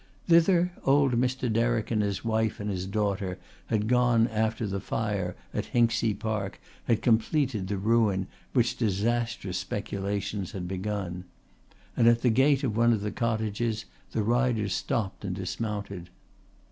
Thither old Mr. Derrick and his wife and his daughter had gone after the fire at Hinksey Park had completed the ruin which disastrous speculations had begun; and at the gate of one of the cottages the riders stopped and dismounted.